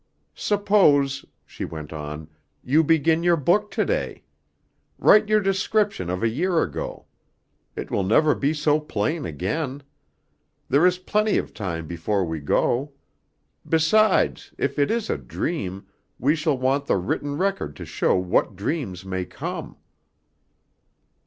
"Suppose," she went on, "you begin your book to day. Write your description of a year ago. It will never be so plain again. There is plenty of time before we go. Besides, if it is a dream, we shall want the written record to show what dreams may come."